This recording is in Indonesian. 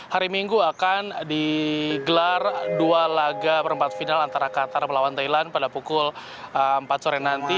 hari minggu akan digelar dua laga perempat final antara qatar melawan thailand pada pukul empat sore nanti